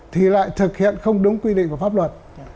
thì lại thực hiện không đúng quy định của pháp luật